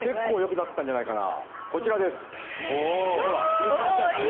いい感じじゃない？